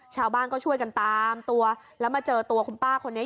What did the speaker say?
ชาวบ้านก็ช่วยกันตามตัวแล้วมาเจอตัวคุณป้าคนนี้